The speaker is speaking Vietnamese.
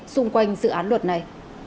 xung quanh dự án luật này